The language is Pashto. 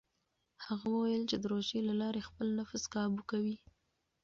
هغه وویل چې د روژې له لارې خپل نفس کابو کوي.